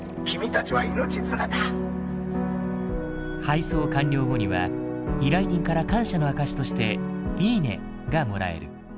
配送完了後には依頼人から感謝の証しとして「いいね」がもらえる。